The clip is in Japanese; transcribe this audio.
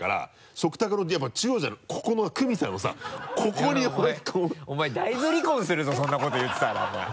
食卓のやっぱり中央じゃなくてここのクミさんのさここに お前大豆離婚するぞそんなこと言ってたらお前。